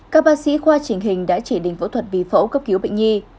các bác sĩ khoa trình hình đã chỉ đình phẫu thuật vì phẫu cấp cứu bệnh nhi